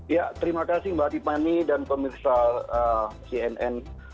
ya terima kasih mbak tipani dan pemirsa cnn